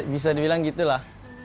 bisa dibilang gitu lah